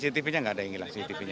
cctv nya nggak ada yang hilang cctv nya